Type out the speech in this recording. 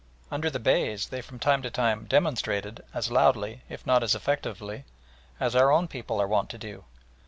Under the Beys they from time to time "demonstrated" as loudly, if not as effectively, as our own people are wont to do.